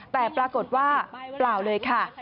แต่ปรากฏว่าเปล่าเลยค่ะ